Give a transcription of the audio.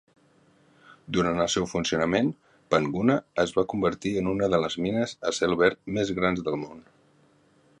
Durant el seu funcionament, Panguna es va convertir en una de les mines a cel obert més grans del món.